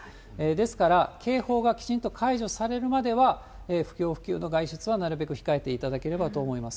ですから、警報がきちんと解除されるまでは、不要不急の外出はなるべく控えていただければと思います。